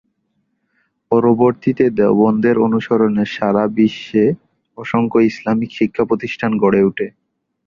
পরবর্তীতে দেওবন্দের অনুসরণে সারা বিশ্বে অসংখ্য ইসলামি শিক্ষা প্রতিষ্ঠান গড়ে উঠে।